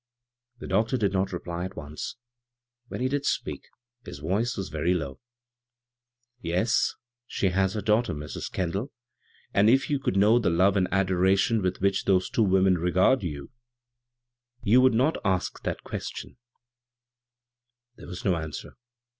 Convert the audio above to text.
The doctor did not reply at once. When he did speak his voice was very low. " Yes, she has her daughter, Mrs. Kendall ; and if you could know the love and adoration with which those two women regard you, you would not ask that question." 159 b, Google CROSS CURRENTS There was no answer.